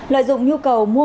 lợi dụng nhu cầu mua mật